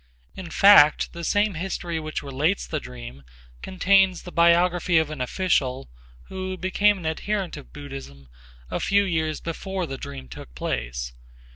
In fact, the same history which relates the dream contains the biography of an official who became an adherent of Buddhism a few years before the dream took place.